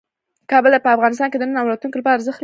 کابل په افغانستان کې د نن او راتلونکي لپاره ارزښت لري.